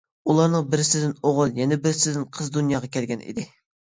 ئۇلارنىڭ بىرسىدىن ئوغۇل، يەنە بىرسىدىن قىز دۇنياغا كەلگەن ئىدى.